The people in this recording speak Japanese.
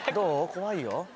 怖いよ。